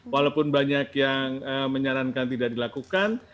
walaupun banyak yang menyarankan tidak dilakukan